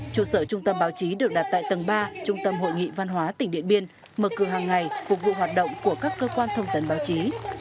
trụ sở trung tâm báo chí được đặt tại tầng ba trung tâm hội nghị văn hóa tỉnh điện biên mở cửa hàng ngày phục vụ hoạt động của các cơ quan thông tấn báo chí